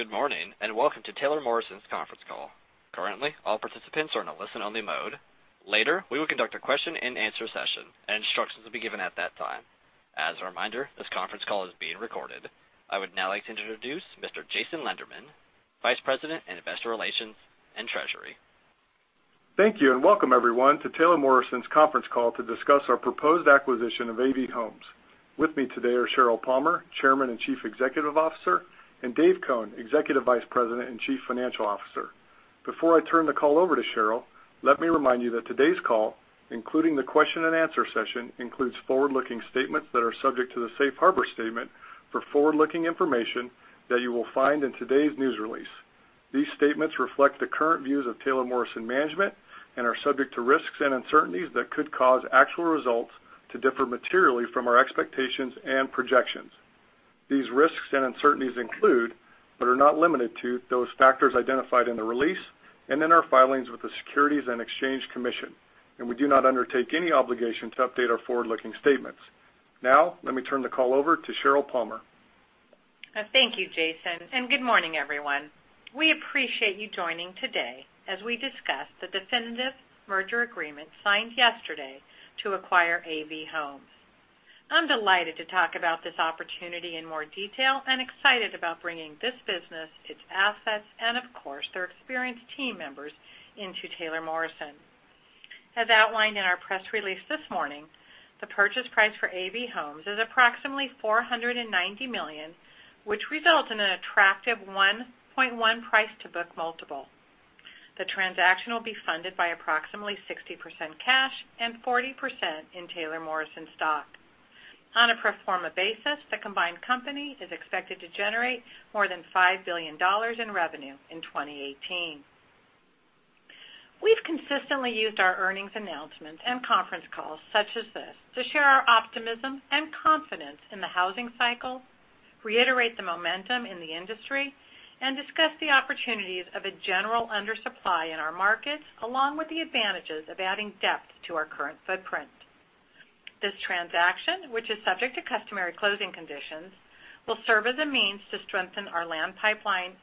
Good morning and welcome to Taylor Morrison's conference call. Currently, all participants are in a listen-only mode. Later, we will conduct a question-and-answer session, and instructions will be given at that time. As a reminder, this conference call is being recorded. I would now like to introduce Mr. Jason Lenderman, Vice President in Investor Relations and Treasury. Thank you and welcome, everyone, to Taylor Morrison's conference call to discuss our proposed acquisition of AV Homes. With me today are Sheryl Palmer, Chairman and Chief Executive Officer, and Dave Cone, Executive Vice President and Chief Financial Officer. Before I turn the call over to Sheryl, let me remind you that today's call, including the question-and-answer session, includes forward-looking statements that are subject to the Safe Harbor Statement for forward-looking information that you will find in today's news release. These statements reflect the current views of Taylor Morrison Management and are subject to risks and uncertainties that could cause actual results to differ materially from our expectations and projections. These risks and uncertainties include, but are not limited to, those factors identified in the release and in our filings with the Securities and Exchange Commission, and we do not undertake any obligation to update our forward-looking statements. Now, let me turn the call over to Sheryl Palmer. Thank you, Jason, and good morning, everyone. We appreciate you joining today as we discuss the definitive merger agreement signed yesterday to acquire AV Homes. I'm delighted to talk about this opportunity in more detail and excited about bringing this business, its assets, and, of course, their experienced team members into Taylor Morrison. As outlined in our press release this morning, the purchase price for AV Homes is approximately $490 million, which results in an attractive 1.1 price-to-book multiple. The transaction will be funded by approximately 60% cash and 40% in Taylor Morrison stock. On a pro forma basis, the combined company is expected to generate more than $5 billion in revenue in 2018. We've consistently used our earnings announcements and conference calls such as this to share our optimism and confidence in the housing cycle, reiterate the momentum in the industry, and discuss the opportunities of a general undersupply in our markets, along with the advantages of adding depth to our current footprint. This transaction, which is subject to customary closing conditions, will serve as a means to strengthen our land pipeline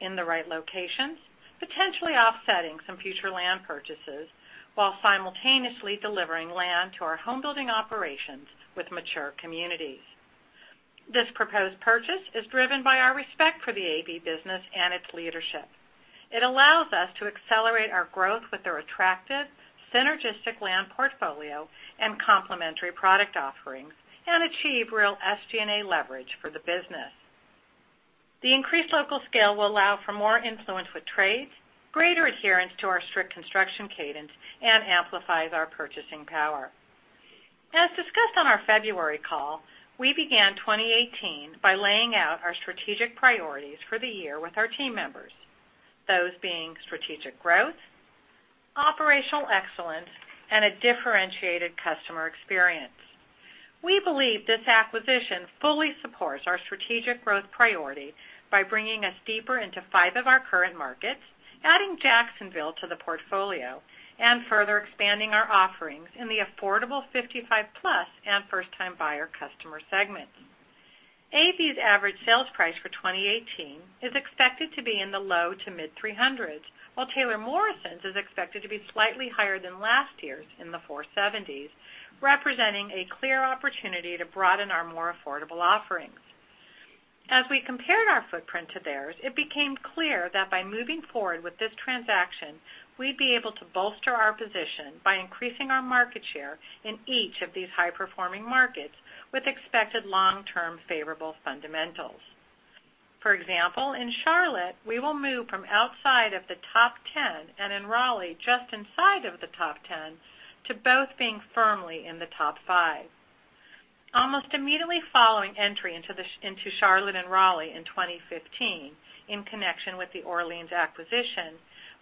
in the right locations, potentially offsetting some future land purchases while simultaneously delivering land to our home-building operations with mature communities. This proposed purchase is driven by our respect for the AV business and its leadership. It allows us to accelerate our growth with a targeted, synergistic land portfolio and complementary product offerings and achieve real SG&A leverage for the business. The increased local scale will allow for more influence with trades, greater adherence to our strict construction cadence, and amplifies our purchasing power. As discussed on our February call, we began 2018 by laying out our strategic priorities for the year with our team members, those being strategic growth, operational excellence, and a differentiated customer experience. We believe this acquisition fully supports our strategic growth priority by bringing us deeper into five of our current markets, adding Jacksonville to the portfolio, and further expanding our offerings in the affordable 55-plus and first-time buyer customer segments. AV's average sales price for 2018 is expected to be in the low- to mid-300s, while Taylor Morrison's is expected to be slightly higher than last year's in the 470s, representing a clear opportunity to broaden our more affordable offerings. As we compared our footprint to theirs, it became clear that by moving forward with this transaction, we'd be able to bolster our position by increasing our market share in each of these high-performing markets with expected long-term favorable fundamentals. For example, in Charlotte, we will move from outside of the top 10 and in Raleigh just inside of the top 10 to both being firmly in the top five. Almost immediately following entry into Charlotte and Raleigh in 2015, in connection with the Orleans acquisition,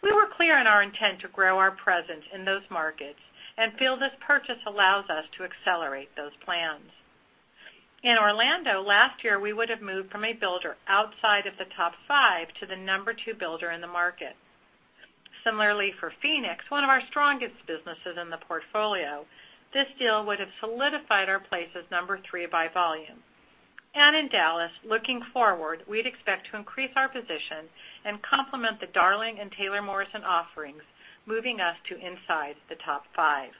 we were clear in our intent to grow our presence in those markets and feel this purchase allows us to accelerate those plans. In Orlando, last year, we would have moved from a builder outside of the top five to the number two builder in the market. Similarly, for Phoenix, one of our strongest businesses in the portfolio, this deal would have solidified our place as number three by volume. And in Dallas, looking forward, we'd expect to increase our position and complement the Darling and Taylor Morrison offerings, moving us to inside the top five.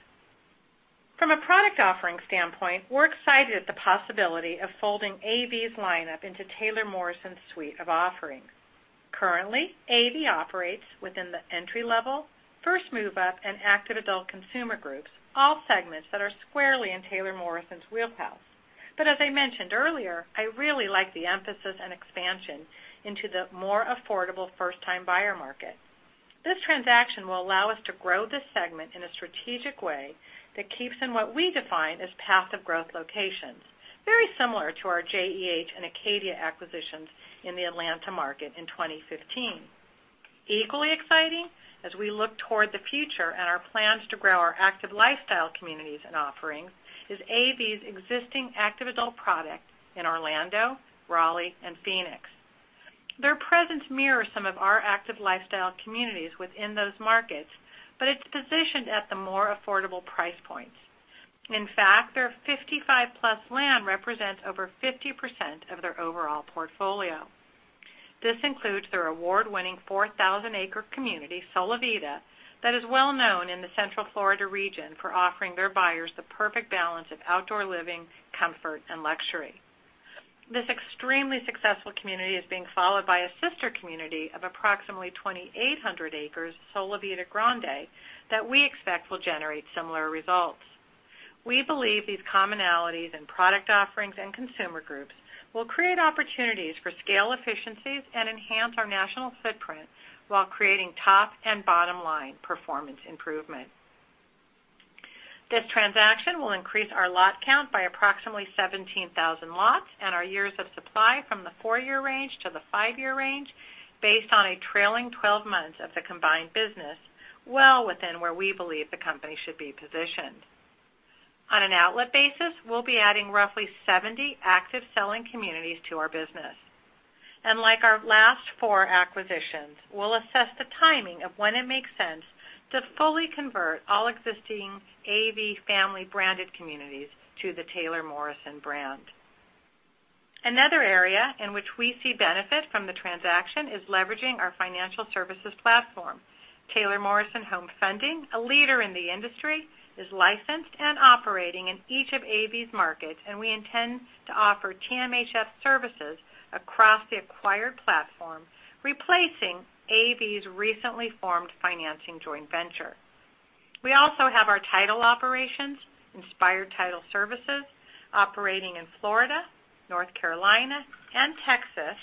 From a product offering standpoint, we're excited at the possibility of folding AV's lineup into Taylor Morrison's suite of offerings. Currently, AV operates within the entry-level, first move-up, and active adult consumer groups, all segments that are squarely in Taylor Morrison's wheelhouse. But as I mentioned earlier, I really like the emphasis and expansion into the more affordable first-time buyer market. This transaction will allow us to grow this segment in a strategic way that keeps in what we define as passive growth locations, very similar to our JEH and Acadia acquisitions in the Atlanta market in 2015. Equally exciting, as we look toward the future and our plans to grow our active lifestyle communities and offerings, is AV's existing active adult product in Orlando, Raleigh, and Phoenix. Their presence mirrors some of our active lifestyle communities within those markets, but it's positioned at the more affordable price points. In fact, their 55-plus land represents over 50% of their overall portfolio. This includes their award-winning 4,000-acre community, Solivita, that is well known in the Central Florida region for offering their buyers the perfect balance of outdoor living, comfort, and luxury. This extremely successful community is being followed by a sister community of approximately 2,800 acres, Solivita Grande, that we expect will generate similar results. We believe these commonalities in product offerings and consumer groups will create opportunities for scale efficiencies and enhance our national footprint while creating top and bottom-line performance improvement. This transaction will increase our lot count by approximately 17,000 lots and our years of supply from the four-year range to the five-year range based on a trailing 12 months of the combined business, well within where we believe the company should be positioned. On an outlet basis, we'll be adding roughly 70 active selling communities to our business. And like our last four acquisitions, we'll assess the timing of when it makes sense to fully convert all existing AV family branded communities to the Taylor Morrison brand. Another area in which we see benefit from the transaction is leveraging our financial services platform. Taylor Morrison Home Funding, a leader in the industry, is licensed and operating in each of AV's markets, and we intend to offer TMHF services across the acquired platform, replacing AV's recently formed financing joint venture. We also have our title operations, Inspired Title Services, operating in Florida, North Carolina, and Texas,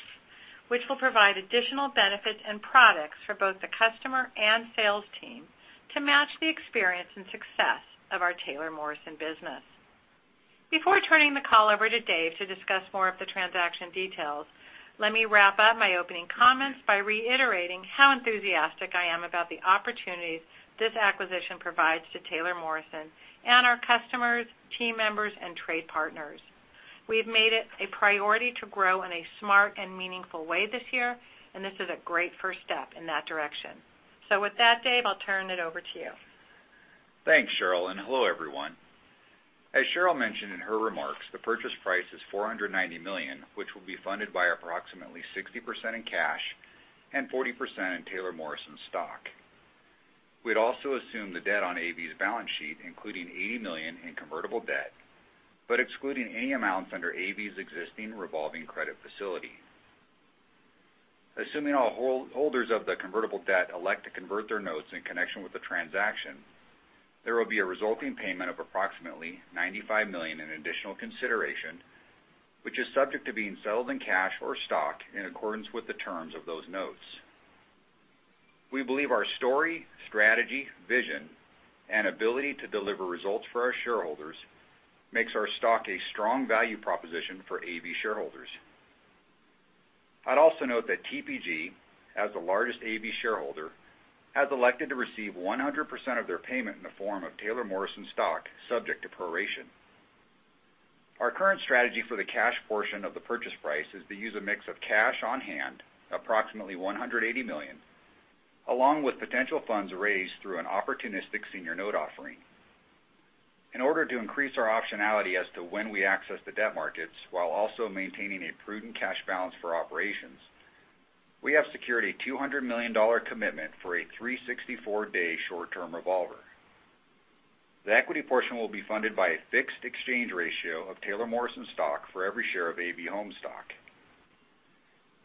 which will provide additional benefits and products for both the customer and sales team to match the experience and success of our Taylor Morrison business. Before turning the call over to Dave to discuss more of the transaction details, let me wrap up my opening comments by reiterating how enthusiastic I am about the opportunities this acquisition provides to Taylor Morrison and our customers, team members, and trade partners. We've made it a priority to grow in a smart and meaningful way this year, and this is a great first step in that direction. So with that, Dave, I'll turn it over to you. Thanks, Sheryl, and hello, everyone. As Sheryl mentioned in her remarks, the purchase price is $490 million, which will be funded by approximately 60% in cash and 40% in Taylor Morrison stock. We'd also assume the debt on AV's balance sheet, including $80 million in convertible debt, but excluding any amounts under AV's existing revolving credit facility. Assuming all holders of the convertible debt elect to convert their notes in connection with the transaction, there will be a resulting payment of approximately $95 million in additional consideration, which is subject to being settled in cash or stock in accordance with the terms of those notes. We believe our story, strategy, vision, and ability to deliver results for our shareholders makes our stock a strong value proposition for AV shareholders. I'd also note that TPG, as the largest AV Homes shareholder, has elected to receive 100% of their payment in the form of Taylor Morrison stock, subject to proration. Our current strategy for the cash portion of the purchase price is to use a mix of cash on hand, approximately $180 million, along with potential funds raised through an opportunistic senior note offering. In order to increase our optionality as to when we access the debt markets while also maintaining a prudent cash balance for operations, we have secured a $200 million commitment for a 364-day short-term revolver. The equity portion will be funded by a fixed exchange ratio of Taylor Morrison stock for every share of AV Homes stock.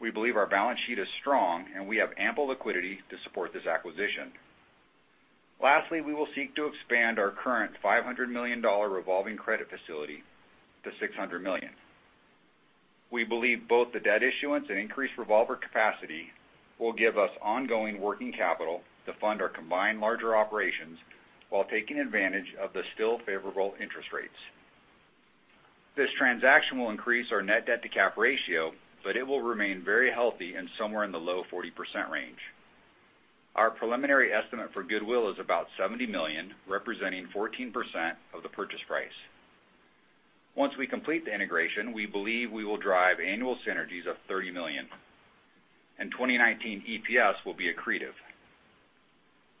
We believe our balance sheet is strong, and we have ample liquidity to support this acquisition. Lastly, we will seek to expand our current $500 million revolving credit facility to $600 million. We believe both the debt issuance and increased revolver capacity will give us ongoing working capital to fund our combined larger operations while taking advantage of the still favorable interest rates. This transaction will increase our net debt-to-cap ratio, but it will remain very healthy and somewhere in the low 40% range. Our preliminary estimate for goodwill is about $70 million, representing 14% of the purchase price. Once we complete the integration, we believe we will drive annual synergies of $30 million, and 2019 EPS will be accretive.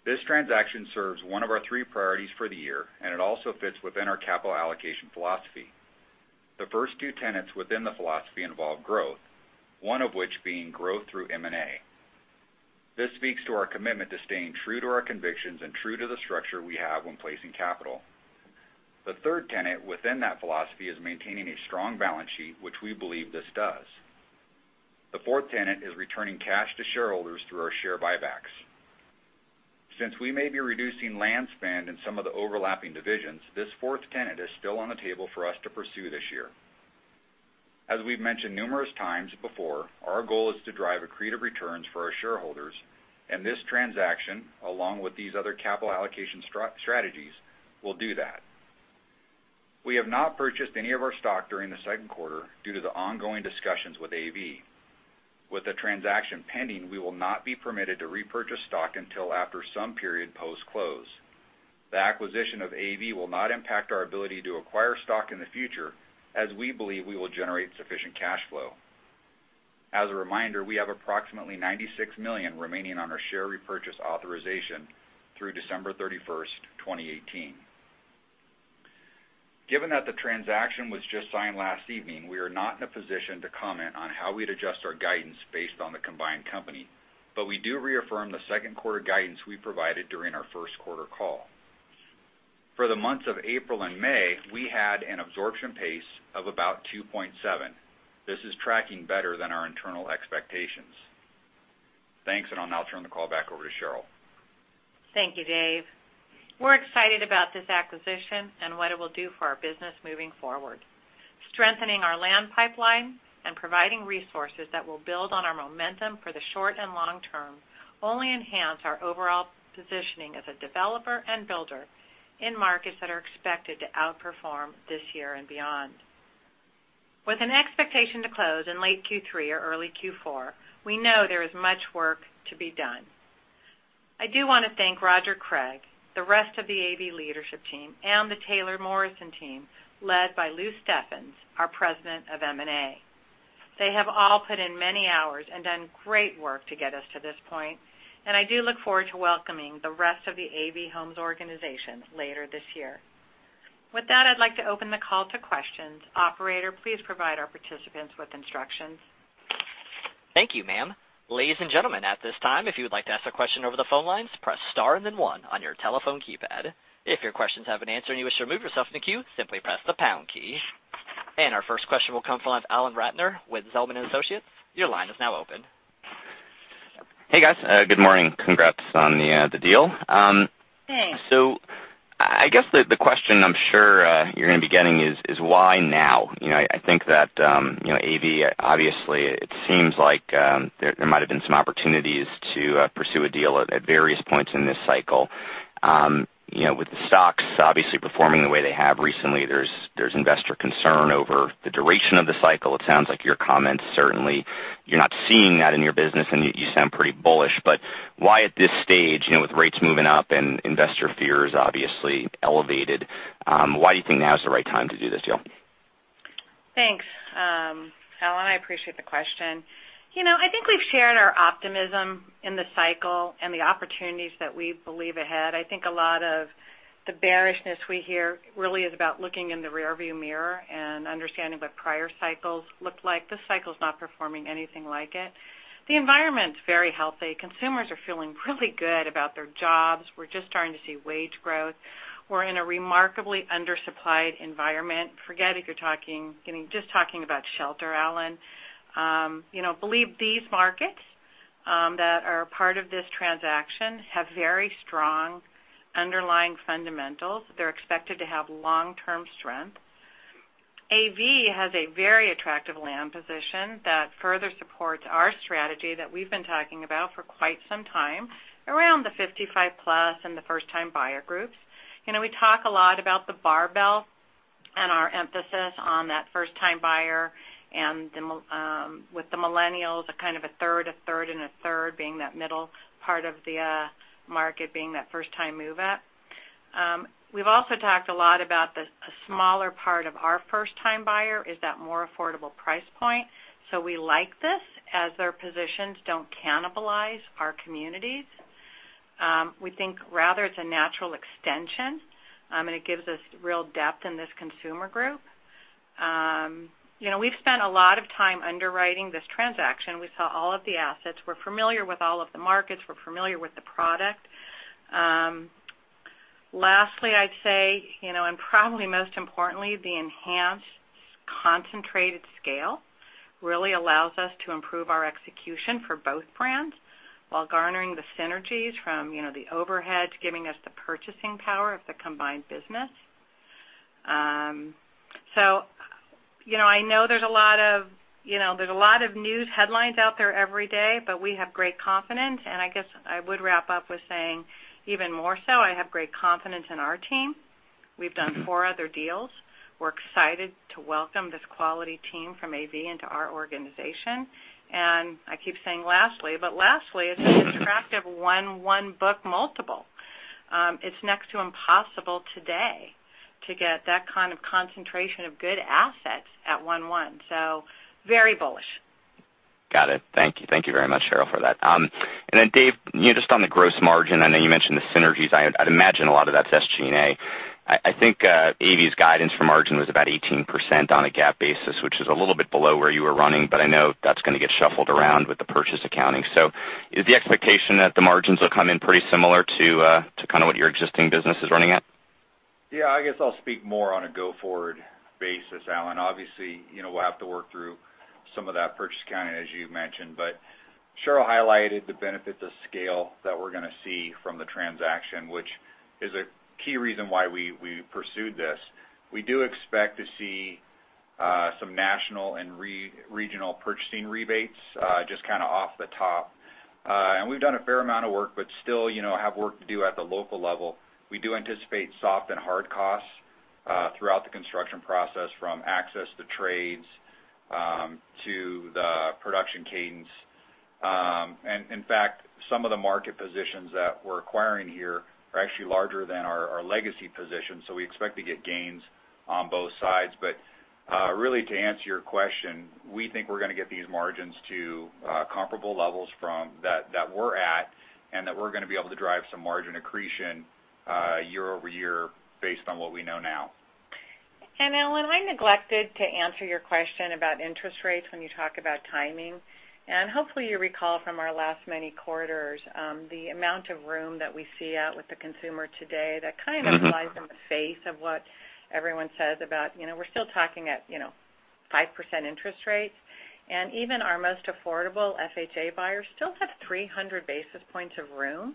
This transaction serves one of our three priorities for the year, and it also fits within our capital allocation philosophy. The first two tenets within the philosophy involve growth, one of which being growth through M&A. This speaks to our commitment to staying true to our convictions and true to the structure we have when placing capital. The third tenet within that philosophy is maintaining a strong balance sheet, which we believe this does. The fourth tenet is returning cash to shareholders through our share buybacks. Since we may be reducing land spend in some of the overlapping divisions, this fourth tenet is still on the table for us to pursue this year. As we've mentioned numerous times before, our goal is to drive accretive returns for our shareholders, and this transaction, along with these other capital allocation strategies, will do that. We have not purchased any of our stock during the second quarter due to the ongoing discussions with AV. With the transaction pending, we will not be permitted to repurchase stock until after some period post-close. The acquisition of AV will not impact our ability to acquire stock in the future, as we believe we will generate sufficient cash flow. As a reminder, we have approximately $96 million remaining on our share repurchase authorization through December 31st, 2018. Given that the transaction was just signed last evening, we are not in a position to comment on how we'd adjust our guidance based on the combined company, but we do reaffirm the second quarter guidance we provided during our first quarter call. For the months of April and May, we had an absorption pace of about 2.7. This is tracking better than our internal expectations. Thanks, and I'll now turn the call back over to Sheryl. Thank you, Dave. We're excited about this acquisition and what it will do for our business moving forward. Strengthening our land pipeline and providing resources that will build on our momentum for the short and long term only enhance our overall positioning as a developer and builder in markets that are expected to outperform this year and beyond. With an expectation to close in late Q3 or early Q4, we know there is much work to be done. I do want to thank Roger Cregg, the rest of the AV leadership team, and the Taylor Morrison team led by Lou Steffens, our President of M&A. They have all put in many hours and done great work to get us to this point, and I do look forward to welcoming the rest of the AV Homes organization later this year. With that, I'd like to open the call to questions. Operator, please provide our participants with instructions. Thank you, ma'am. Ladies and gentlemen, at this time, if you would like to ask a question over the phone lines, press star and then one on your telephone keypad. If your questions have an answer and you wish to move yourself in a queue, simply press the pound key. And our first question will come from Alan Ratner with Zelman & Associates. Your line is now open. Hey, guys. Good morning. Congrats on the deal. Thanks. So I guess the question I'm sure you're going to be getting is, why now? I think that AV, obviously, it seems like there might have been some opportunities to pursue a deal at various points in this cycle. With the stocks obviously performing the way they have recently, there's investor concern over the duration of the cycle. It sounds like your comments certainly you're not seeing that in your business, and you sound pretty bullish. But why at this stage, with rates moving up and investor fears obviously elevated, why do you think now is the right time to do this deal? Thanks, Alan. I appreciate the question. I think we've shared our optimism in the cycle and the opportunities that we believe ahead. I think a lot of the bearishness we hear really is about looking in the rearview mirror and understanding what prior cycles looked like. This cycle's not performing anything like it. The environment's very healthy. Consumers are feeling really good about their jobs. We're just starting to see wage growth. We're in a remarkably undersupplied environment. Forget if you're just talking about shelter, Alan. I believe these markets that are a part of this transaction have very strong underlying fundamentals. They're expected to have long-term strength. AV has a very attractive land position that further supports our strategy that we've been talking about for quite some time, around the 55-plus and the first-time buyer groups. We talk a lot about the barbell and our emphasis on that first-time buyer and with the millennials, kind of a third, a third, and a third being that middle part of the market being that first-time move-up. We've also talked a lot about a smaller part of our first-time buyer is that more affordable price point. So we like this as their positions don't cannibalize our communities. We think rather it's a natural extension, and it gives us real depth in this consumer group. We've spent a lot of time underwriting this transaction. We saw all of the assets. We're familiar with all of the markets. We're familiar with the product. Lastly, I'd say, and probably most importantly, the enhanced concentrated scale really allows us to improve our execution for both brands while garnering the synergies from the overheads, giving us the purchasing power of the combined business. I know there's a lot of news headlines out there every day, but we have great confidence. I guess I would wrap up with saying even more so, I have great confidence in our team. We've done four other deals. We're excited to welcome this quality team from AV into our organization. I keep saying lastly, but lastly, it's an attractive 1.1 book multiple. It's next to impossible today to get that kind of concentration of good assets at 1.1. Very bullish. Got it. Thank you. Thank you very much, Sheryl, for that. And then, Dave, just on the gross margin, I know you mentioned the synergies. I'd imagine a lot of that's SG&A. I think AV's guidance for margin was about 18% on a GAAP basis, which is a little bit below where you were running, but I know that's going to get shuffled around with the purchase accounting. So is the expectation that the margins will come in pretty similar to kind of what your existing business is running at? Yeah, I guess I'll speak more on a go-forward basis, Alan. Obviously, we'll have to work through some of that purchase accounting, as you mentioned, but Sheryl highlighted the benefits of scale that we're going to see from the transaction, which is a key reason why we pursued this. We do expect to see some national and regional purchasing rebates just kind of off the top, and we've done a fair amount of work, but still have work to do at the local level. We do anticipate soft and hard costs throughout the construction process, from access to trades to the production cadence, and in fact, some of the market positions that we're acquiring here are actually larger than our legacy position, so we expect to get gains on both sides. But, really, to answer your question, we think we're going to get these margins to comparable levels from that we're at and that we're going to be able to drive some margin accretion year over year based on what we know now. Alan, I neglected to answer your question about interest rates when you talk about timing. Hopefully, you recall from our last many quarters the amount of room that we see out with the consumer today that kind of flies in the face of what everyone says about we're still talking at 5% interest rates. Even our most affordable FHA buyers still have 300 basis points of room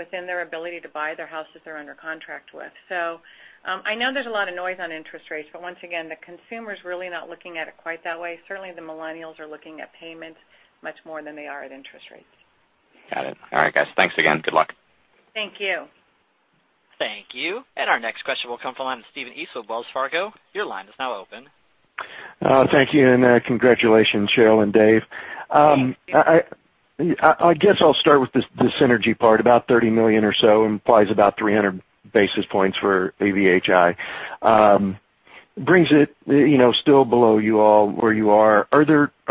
within their ability to buy their houses they're under contract with. So I know there's a lot of noise on interest rates, but once again, the consumer's really not looking at it quite that way. Certainly, the millennials are looking at payments much more than they are at interest rates. Got it. All right, guys. Thanks again. Good luck. Thank you. Thank you, and our next question will come from Stephen East of Wells Fargo. Your line is now open. Thank you and congratulations, Sheryl and Dave. Thank you. I guess I'll start with the synergy part. About $30 million or so implies about 300 basis points for AVHI. Brings it still below you all where you are. Are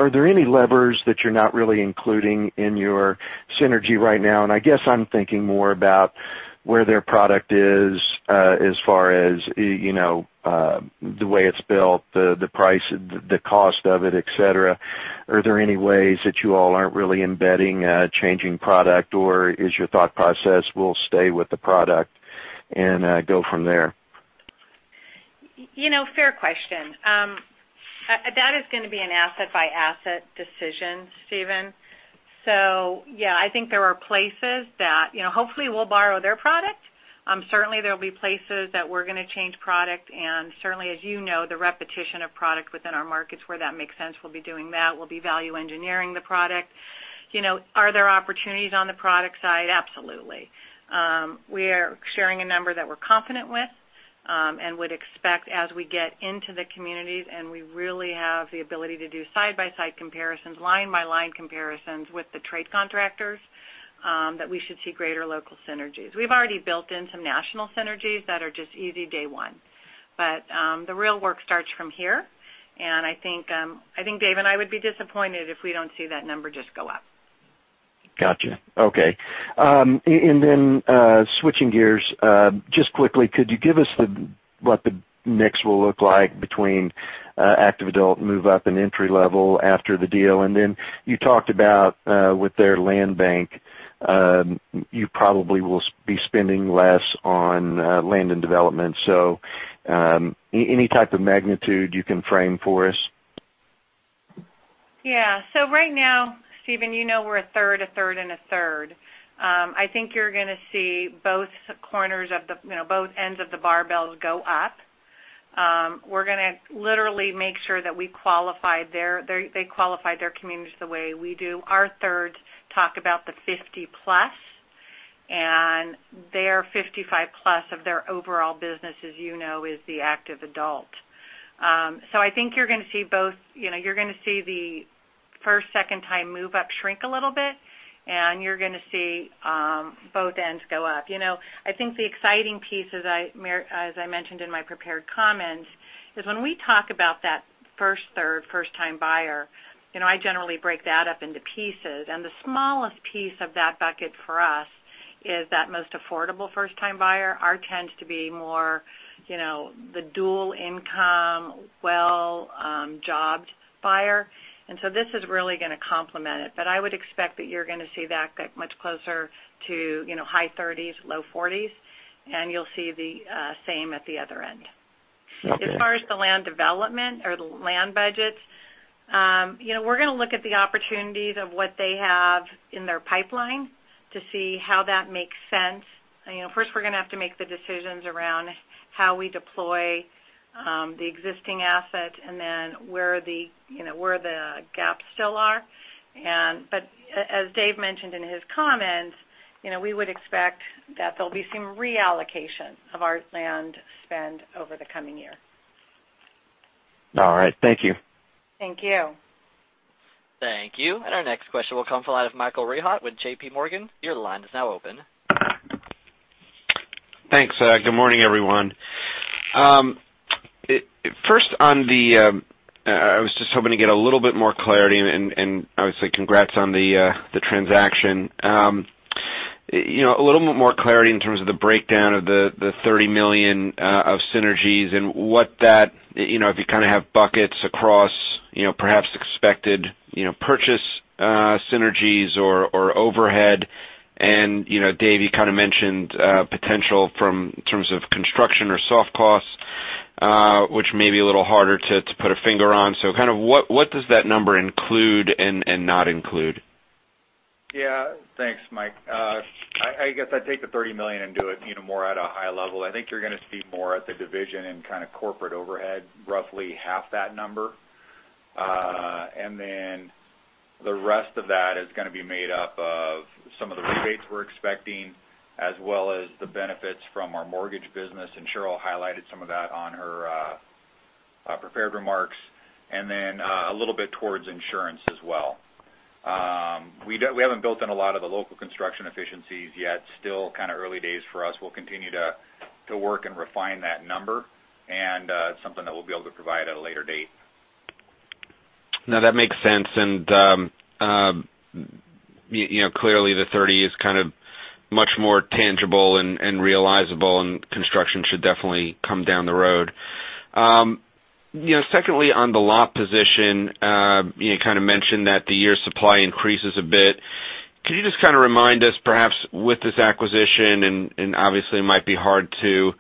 there any levers that you're not really including in your synergy right now? And I guess I'm thinking more about where their product is as far as the way it's built, the price, the cost of it, etc. Are there any ways that you all aren't really embedding a changing product, or is your thought process, "We'll stay with the product and go from there"? Fair question. That is going to be an asset-by-asset decision, Stephen. So yeah, I think there are places that hopefully we'll borrow their product. Certainly, there will be places that we're going to change product. And certainly, as you know, the repetition of product within our markets where that makes sense, we'll be doing that. We'll be value engineering the product. Are there opportunities on the product side? Absolutely. We are sharing a number that we're confident with and would expect as we get into the communities, and we really have the ability to do side-by-side comparisons, line-by-line comparisons with the trade contractors, that we should see greater local synergies. We've already built in some national synergies that are just easy day one. But the real work starts from here. And I think Dave and I would be disappointed if we don't see that number just go up. Gotcha. Okay. And then switching gears, just quickly, could you give us what the mix will look like between active adult, move-up, and entry level after the deal? And then you talked about with their land bank, you probably will be spending less on land and development. So any type of magnitude you can frame for us? Yeah. So right now, Stephen, you know we're a third, a third, and a third. I think you're going to see both corners of both ends of the barbells go up. We're going to literally make sure that we qualify their communities the way we do. Our thirds talk about the 50-plus, and their 55-plus of their overall business, as you know, is the active adult. So I think you're going to see both the first, second-time move-up shrink a little bit, and you're going to see both ends go up. I think the exciting piece, as I mentioned in my prepared comments, is when we talk about that first, third, first-time buyer. I generally break that up into pieces. And the smallest piece of that bucket for us is that most affordable first-time buyer. Ours tends to be more the dual-income, well-employed buyer. And so this is really going to complement it. But I would expect that you're going to see that get much closer to high 30s, low 40s, and you'll see the same at the other end. As far as the land development or the land budgets, we're going to look at the opportunities of what they have in their pipeline to see how that makes sense. First, we're going to have to make the decisions around how we deploy the existing assets and then where the gaps still are. But as Dave mentioned in his comments, we would expect that there'll be some reallocation of our land spend over the coming year. All right. Thank you. Thank you. Thank you. And our next question will come from Michael Rehaut with J.P. Morgan. Your line is now open. Thanks. Good morning, everyone. First, I was just hoping to get a little bit more clarity, and obviously, congrats on the transaction. A little bit more clarity in terms of the breakdown of the $30 million of synergies and what that, if you kind of have buckets across perhaps expected purchase synergies or overhead. And Dave, you kind of mentioned potential in terms of construction or soft costs, which may be a little harder to put a finger on. So kind of what does that number include and not include? Yeah. Thanks, Mike. I guess I'd take the $30 million and do it more at a high level. I think you're going to see more at the division and kind of corporate overhead, roughly $15 million. And then the rest of that is going to be made up of some of the rebates we're expecting, as well as the benefits from our mortgage business. And Sheryl highlighted some of that on her prepared remarks. And then a little bit towards insurance as well. We haven't built in a lot of the local construction efficiencies yet. Still kind of early days for us. We'll continue to work and refine that number, and it's something that we'll be able to provide at a later date. No, that makes sense, and clearly, the 30 is kind of much more tangible and realizable, and construction should definitely come down the road. Secondly, on the lot position, you kind of mentioned that the year's supply increases a bit. Could you just kind of remind us, perhaps with this acquisition, and obviously, it might be hard to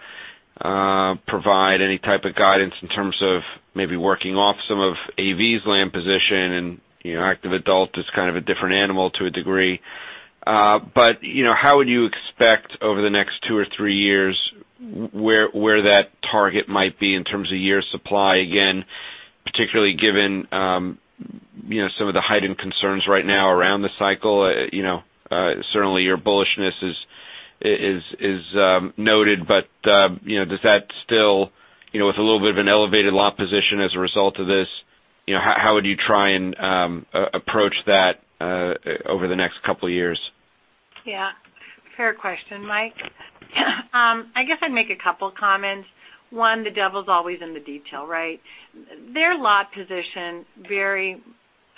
provide any type of guidance in terms of maybe working off some of AV's land position, and active adult is kind of a different animal to a degree. But how would you expect over the next two or three years where that target might be in terms of year's supply? Again, particularly given some of the heightened concerns right now around the cycle, certainly your bullishness is noted. But does that still, with a little bit of an elevated lot position as a result of this, how would you try and approach that over the next couple of years? Yeah. Fair question, Mike. I guess I'd make a couple of comments. One, the devil's always in the detail, right? Their lot position very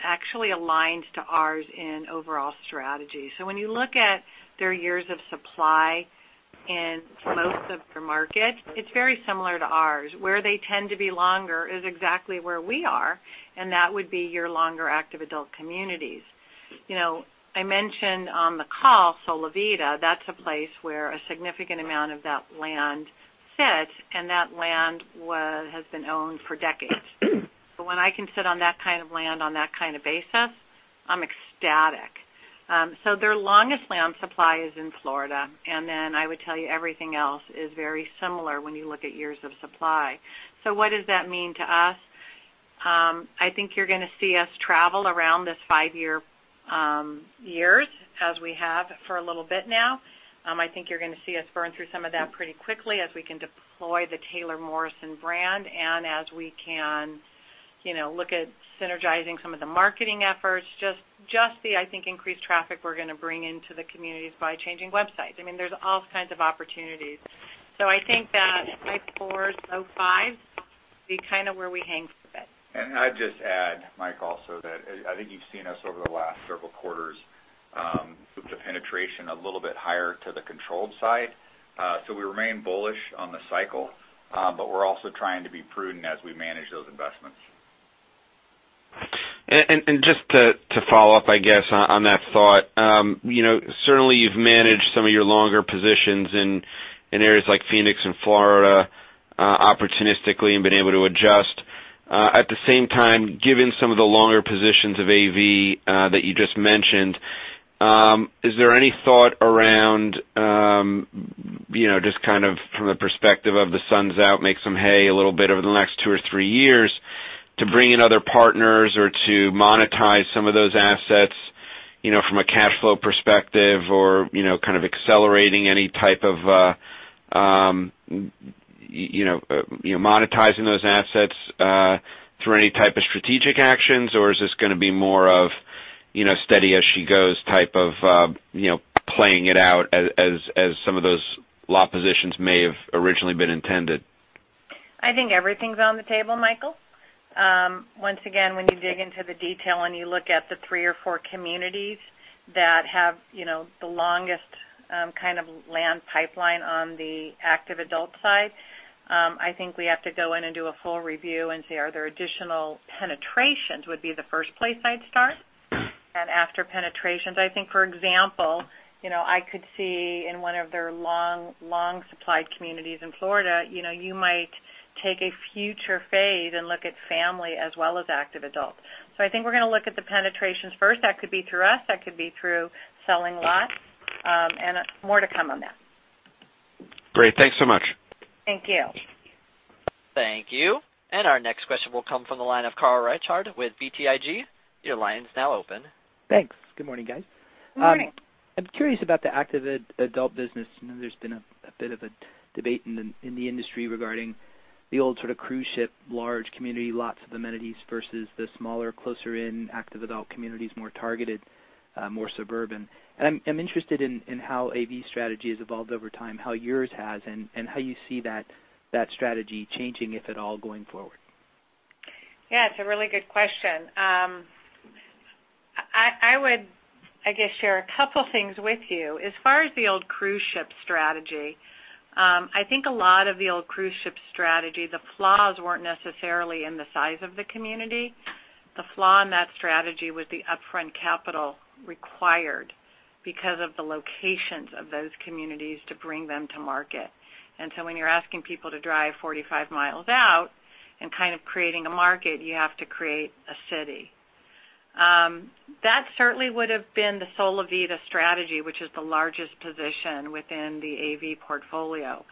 actually aligns to ours in overall strategy. So when you look at their years of supply in most of their market, it's very similar to ours. Where they tend to be longer is exactly where we are, and that would be your longer active adult communities. I mentioned on the call, Solivita, that's a place where a significant amount of that land sits, and that land has been owned for decades. But when I can sit on that kind of land on that kind of basis, I'm ecstatic. So their longest land supply is in Florida, and then I would tell you everything else is very similar when you look at years of supply. So what does that mean to us? I think you're going to see us travel around this five-year as we have for a little bit now. I think you're going to see us burn through some of that pretty quickly as we can deploy the Taylor Morrison brand and as we can look at synergizing some of the marketing efforts. Just the, I think, increased traffic we're going to bring into the communities by changing websites. I mean, there's all kinds of opportunities. So I think that type four, so five, be kind of where we hang for a bit. And I'd just add, Mike, also that I think you've seen us over the last several quarters with the penetration a little bit higher to the controlled side. So we remain bullish on the cycle, but we're also trying to be prudent as we manage those investments. And just to follow up, I guess, on that thought, certainly you've managed some of your longer positions in areas like Phoenix and Florida opportunistically and been able to adjust. At the same time, given some of the longer positions of AV that you just mentioned, is there any thought around just kind of from the perspective of the sun's out, make some hay a little bit over the next two or three years to bring in other partners or to monetize some of those assets from a cash flow perspective or kind of accelerating any type of monetizing those assets through any type of strategic actions? Or is this going to be more of steady as she goes type of playing it out as some of those lot positions may have originally been intended? I think everything's on the table, Michael. Once again, when you dig into the detail and you look at the three or four communities that have the longest kind of land pipeline on the active adult side, I think we have to go in and do a full review and say, "Are there additional penetrations?" That would be the first place I'd start. After penetrations, I think, for example, I could see in one of their long, long supplied communities in Florida, you might take a future phase and look at family as well as active adult. So I think we're going to look at the penetrations first. That could be through us. That could be through selling lots. And more to come on that. Great. Thanks so much. Thank you. Thank you. Our next question will come from the line of Carl Reichardt with BTIG. Your line is now open. Thanks. Good morning, guys. Good morning. I'm curious about the active adult business. There's been a bit of a debate in the industry regarding the old sort of cruise ship, large community lots of amenities versus the smaller, closer-in active adult communities, more targeted, more suburban, and I'm interested in how AV strategy has evolved over time, how yours has, and how you see that strategy changing, if at all, going forward. Yeah. It's a really good question. I would, I guess, share a couple of things with you. As far as the old cruise ship strategy, I think a lot of the old cruise ship strategy, the flaws weren't necessarily in the size of the community. The flaw in that strategy was the upfront capital required because of the locations of those communities to bring them to market, and so when you're asking people to drive 45 mi out and kind of creating a market, you have to create a city. That certainly would have been the Solivita strategy, which is the largest position within the AV portfolio.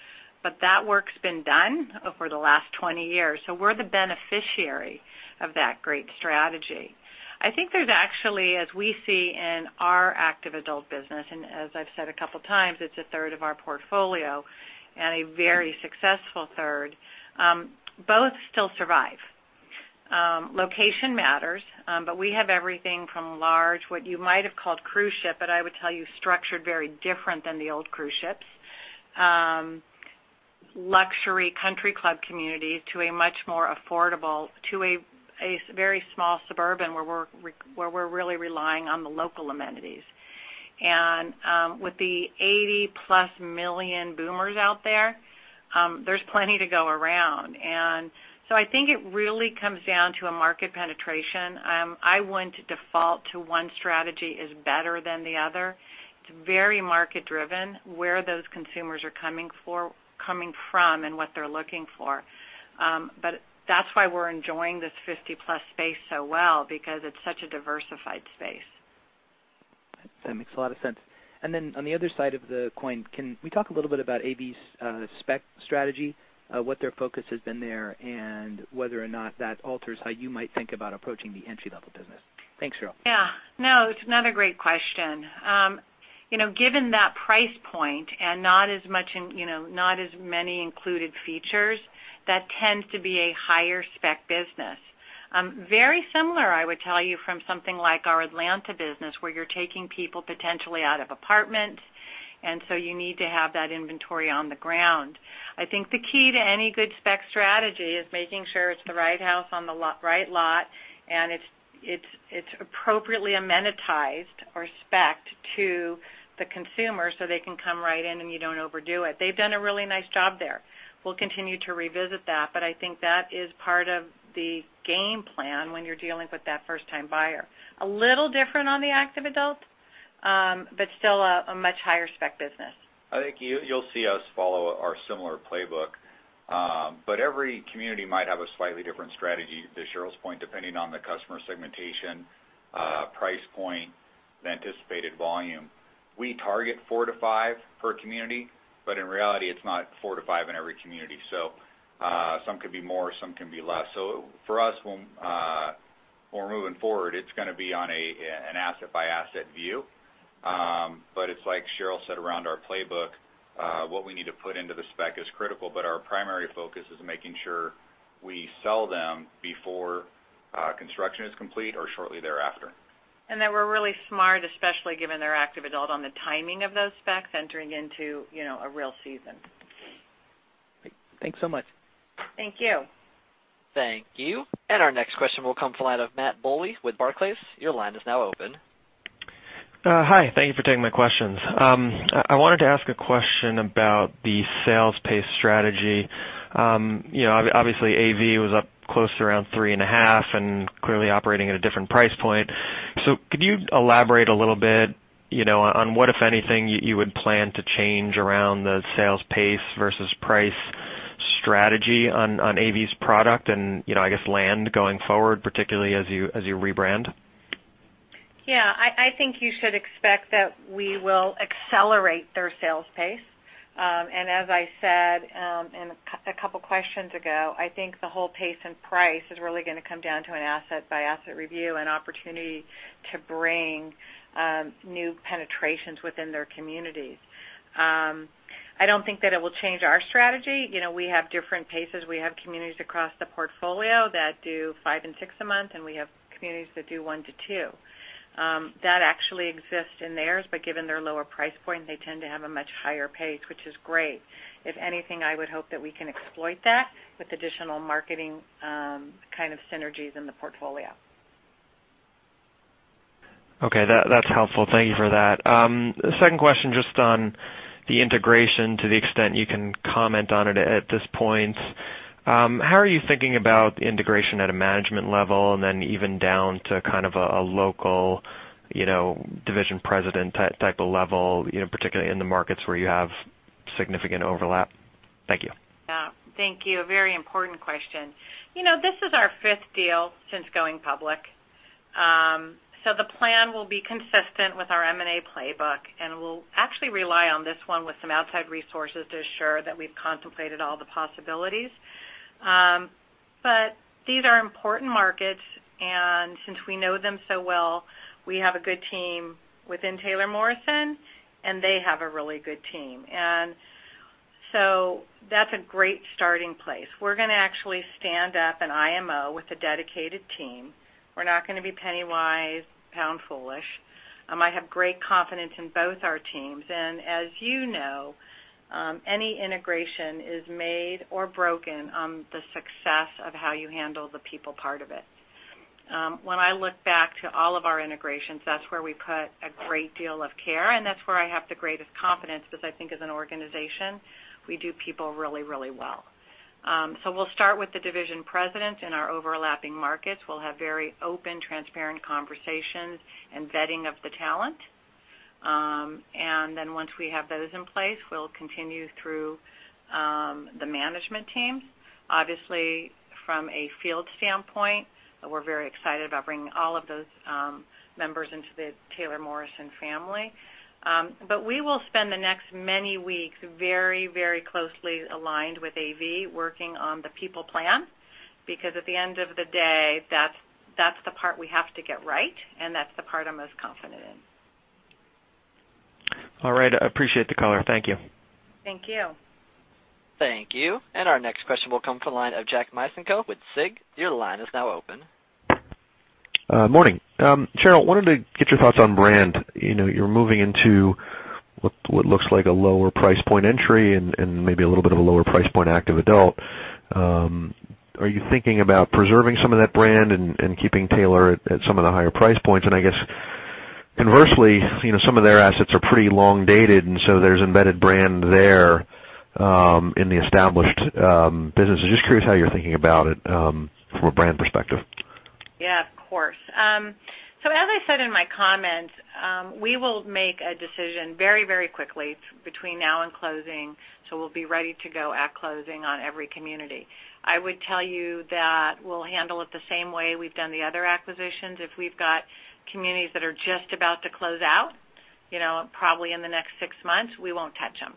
But that work's been done over the last 20 years. So we're the beneficiary of that great strategy. I think there's actually, as we see in our active adult business, and as I've said a couple of times, it's a third of our portfolio and a very successful third. Both still survive. Location matters, but we have everything from large, what you might have called cruise ship, but I would tell you structured very different than the old cruise ships, luxury country club communities to a much more affordable, to a very small suburban where we're really relying on the local amenities, and with the 80-plus million boomers out there, there's plenty to go around, and so I think it really comes down to a market penetration. I wouldn't default to one strategy is better than the other. It's very market-driven where those consumers are coming from and what they're looking for, but that's why we're enjoying this 50-plus space so well because it's such a diversified space. That makes a lot of sense, and then on the other side of the coin, can we talk a little bit about AV's spec strategy, what their focus has been there, and whether or not that alters how you might think about approaching the entry-level business? Thanks, Sheryl. Yeah. No, it's another great question. Given that price point and not as much and not as many included features, that tends to be a higher spec business. Very similar, I would tell you, from something like our Atlanta business where you're taking people potentially out of apartments, and so you need to have that inventory on the ground. I think the key to any good spec strategy is making sure it's the right house on the right lot and it's appropriately amenitized or specced to the consumer so they can come right in and you don't overdo it. They've done a really nice job there. We'll continue to revisit that, but I think that is part of the game plan when you're dealing with that first-time buyer. A little different on the active adult, but still a much higher spec business. I think you'll see us follow our similar playbook. But every community might have a slightly different strategy, to Sheryl's point, depending on the customer segmentation, price point, the anticipated volume. We target four to five per community, but in reality, it's not four to five in every community. So some could be more, some can be less. So for us, when we're moving forward, it's going to be on an asset-by-asset view. But it's like Sheryl said around our playbook, what we need to put into the spec is critical, but our primary focus is making sure we sell them before construction is complete or shortly thereafter. And that we're really smart, especially given their active adult, on the timing of those specs entering into a real season. Thanks so much. Thank you. Thank you. And our next question will come from Matt Bouley with Barclays. Your line is now open. Hi. Thank you for taking my questions. I wanted to ask a question about the sales pace strategy. Obviously, AV was up close to around three and a half and clearly operating at a different price point. So could you elaborate a little bit on what, if anything, you would plan to change around the sales pace versus price strategy on AV's product and, I guess, land going forward, particularly as you rebrand? Yeah. I think you should expect that we will accelerate their sales pace. And as I said a couple of questions ago, I think the whole pace and price is really going to come down to an asset-by-asset review and opportunity to bring new penetrations within their communities. I don't think that it will change our strategy. We have different paces. We have communities across the portfolio that do five and six a month, and we have communities that do one to two. That actually exists in theirs, but given their lower price point, they tend to have a much higher pace, which is great. If anything, I would hope that we can exploit that with additional marketing kind of synergies in the portfolio. Okay. That's helpful. Thank you for that. Second question just on the integration, to the extent you can comment on it at this point. How are you thinking about integration at a management level and then even down to kind of a local division president type of level, particularly in the markets where you have significant overlap? Thank you. Yeah. Thank you. A very important question. This is our fifth deal since going public. So the plan will be consistent with our M&A playbook, and we'll actually rely on this one with some outside resources to assure that we've contemplated all the possibilities. But these are important markets, and since we know them so well, we have a good team within Taylor Morrison, and they have a really good team. And so that's a great starting place. We're going to actually stand up an IMO with a dedicated team. We're not going to be pennywise, pound-foolish. I have great confidence in both our teams. And as you know, any integration is made or broken on the success of how you handle the people part of it. When I look back to all of our integrations, that's where we put a great deal of care, and that's where I have the greatest confidence because I think as an organization, we do people really, really well. So we'll start with the division presidents in our overlapping markets. We'll have very open, transparent conversations and vetting of the talent. And then once we have those in place, we'll continue through the management teams. Obviously, from a field standpoint, we're very excited about bringing all of those members into the Taylor Morrison family. But we will spend the next many weeks very, very closely aligned with AV working on the people plan because at the end of the day, that's the part we have to get right, and that's the part I'm most confident in. All right. I appreciate the color. Thank you. Thank you. Thank you. And our next question will come from the line of Jack Micenko with SIG. Your line is now open. Morning. Sheryl, I wanted to get your thoughts on brand. You're moving into what looks like a lower price point entry and maybe a little bit of a lower price point active adult. Are you thinking about preserving some of that brand and keeping Taylor at some of the higher price points? And I guess, conversely, some of their assets are pretty long-dated, and so there's embedded brand there in the established business. Just curious how you're thinking about it from a brand perspective. Yeah, of course. So as I said in my comments, we will make a decision very, very quickly between now and closing. So we'll be ready to go at closing on every community. I would tell you that we'll handle it the same way we've done the other acquisitions. If we've got communities that are just about to close out, probably in the next six months, we won't touch them.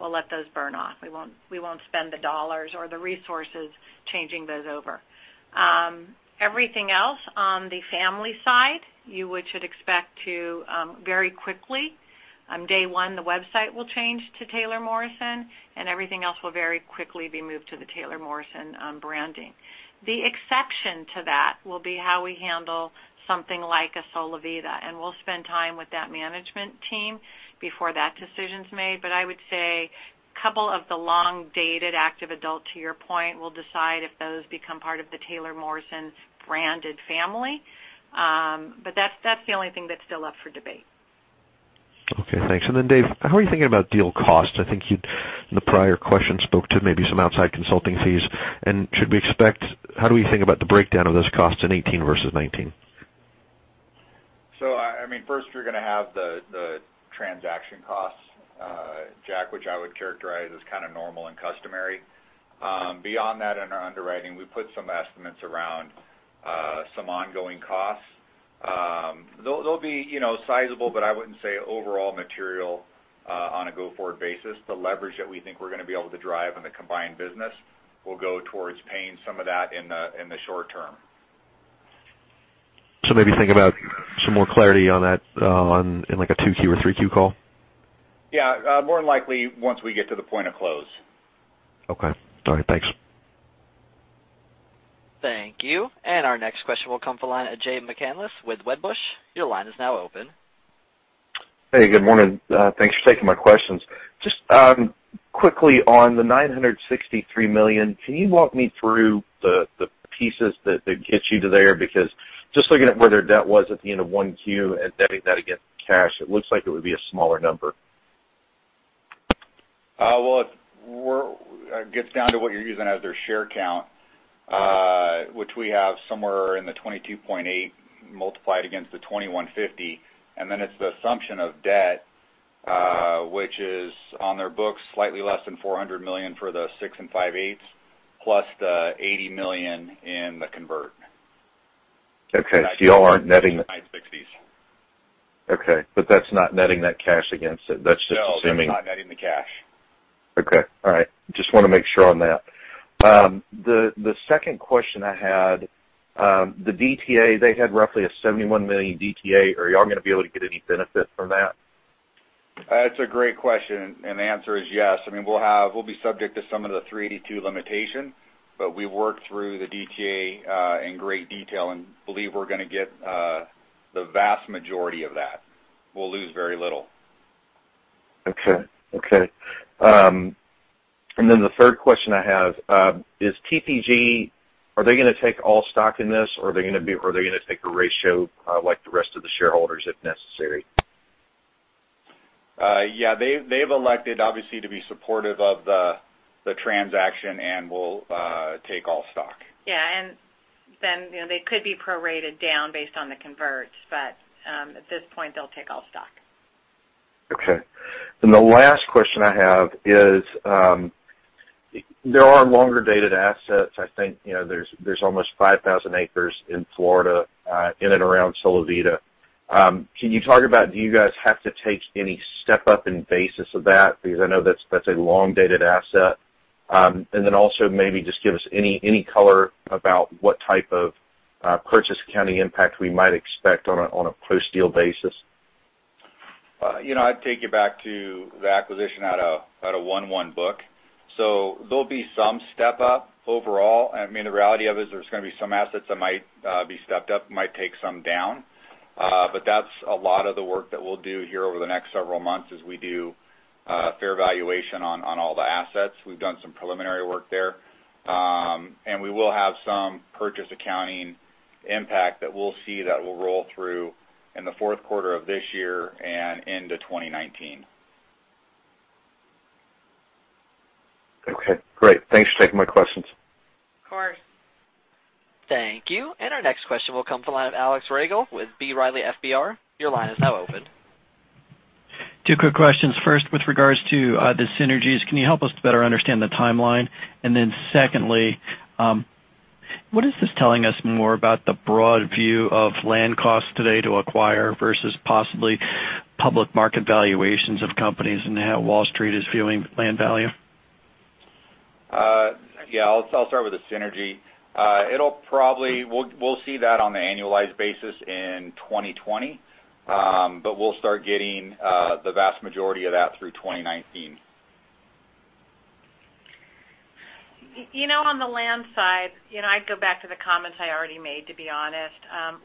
We'll let those burn off. We won't spend the dollars or the resources changing those over. Everything else on the family side, you should expect to very quickly, on day one, the website will change to Taylor Morrison, and everything else will very quickly be moved to the Taylor Morrison branding. The exception to that will be how we handle something like a Solivita, and we'll spend time with that management team before that decision's made. But I would say a couple of the long-dated active adult, to your point, will decide if those become part of the Taylor Morrison branded family. But that's the only thing that's still up for debate. Okay. Thanks. And then, Dave, how are you thinking about deal costs? I think you, in the prior question, spoke to maybe some outside consulting fees. And should we expect? How do we think about the breakdown of those costs in 2018 versus 2019? So I mean, first, you're going to have the transaction costs, Jack, which I would characterize as kind of normal and customary. Beyond that, in our underwriting, we put some estimates around some ongoing costs. They'll be sizable, but I wouldn't say overall material on a go-forward basis. The leverage that we think we're going to be able to drive in the combined business will go towards paying some of that in the short term. So maybe think about some more clarity on that in a 2Q or 3Q call? Yeah. More than likely, once we get to the point of close. Okay. All right. Thanks. Thank you. And our next question will come from the line of Jay McCanless with Wedbush. Your line is now open. Hey, good morning. Thanks for taking my questions. Just quickly on the $963 million, can you walk me through the pieces that get you to there? Because just looking at where their debt was at the end of one Q and vetting that against cash, it looks like it would be a smaller number. It gets down to what you're using as their share count, which we have somewhere in the 22.8 multiplied against the $21.50. Then it's the assumption of debt, which is on their books slightly less than $400 million for the 6 5/8%, plus the $80 million in the convert. Okay, so y'all aren't netting. That's the $960s. Okay. But that's not netting that cash against it. That's just assuming. No, it's not netting the cash. Okay. All right. Just want to make sure on that. The second question I had, the DTA, they had roughly a $71 million DTA. Are y'all going to be able to get any benefit from that? That's a great question, and the answer is yes. I mean, we'll be subject to some of the 382 limitation, but we worked through the DTA in great detail and believe we're going to get the vast majority of that. We'll lose very little. Okay. Okay. And then the third question I have is TPG, are they going to take all stock in this, or are they going to take a ratio like the rest of the shareholders if necessary? Yeah. They've elected, obviously, to be supportive of the transaction and will take all stock. Yeah. And then they could be prorated down based on the converts, but at this point, they'll take all stock. Okay, and the last question I have is there are longer-dated assets. I think there's almost 5,000 acres in Florida in and around Solivita. Can you talk about do you guys have to take any step up in basis of that? Because I know that's a long-dated asset. And then also maybe just give us any color about what type of purchase accounting impact we might expect on a post-deal basis. I'd take you back to the acquisition out of 1.1 book. So there'll be some step up overall. I mean, the reality of it is there's going to be some assets that might be stepped up, might take some down. But that's a lot of the work that we'll do here over the next several months is we do fair valuation on all the assets. We've done some preliminary work there. And we will have some purchase accounting impact that we'll see that will roll through in the fourth quarter of this year and into 2019. Okay. Great. Thanks for taking my questions. Of course. Thank you, and our next question will come from Alex Ragle out of B. Riley FBR. Your line is now open. Two quick questions. First, with regards to the synergies, can you help us better understand the timeline? And then secondly, what is this telling us more about the broad view of land costs today to acquire versus possibly public market valuations of companies and how Wall Street is viewing land value? Yeah. I'll start with the synergy. We'll see that on the annualized basis in 2020, but we'll start getting the vast majority of that through 2019. On the land side, I'd go back to the comments I already made, to be honest.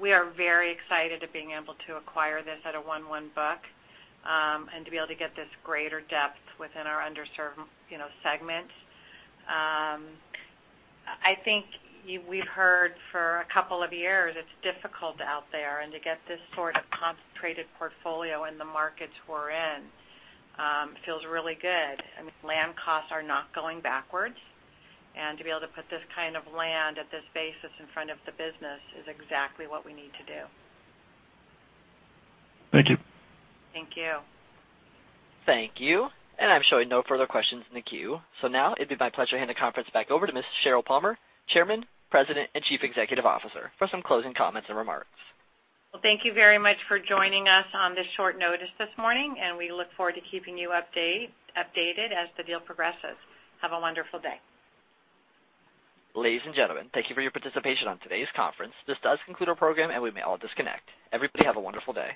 We are very excited to be able to acquire this out of 1.1 book and to be able to get this greater depth within our underserved segment. I think we've heard for a couple of years it's difficult out there. And to get this sort of concentrated portfolio in the markets we're in feels really good. I mean, land costs are not going backwards. And to be able to put this kind of land at this basis in front of the business is exactly what we need to do. Thank you. Thank you. Thank you. And I'm showing no further questions in the queue. So now it'd be my pleasure to hand the conference back over to Ms. Sheryl Palmer, Chairman, President, and Chief Executive Officer for some closing comments and remarks. Thank you very much for joining us on this short notice this morning, and we look forward to keeping you updated as the deal progresses. Have a wonderful day. Ladies and gentlemen, thank you for your participation on today's conference. This does conclude our program, and we may all disconnect. Everybody have a wonderful day.